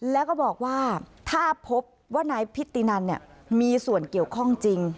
แล้วก็บอกว่าถ้าพบว่านายพิธีนันมีส่วนเกี่ยวข้องจริง